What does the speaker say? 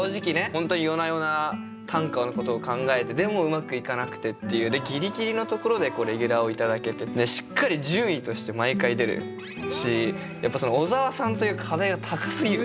本当に夜な夜な短歌のことを考えてでもうまくいかなくてっていうギリギリのところでレギュラーを頂けてしっかり順位として毎回出るしやっぱ小沢さんという壁が高すぎる。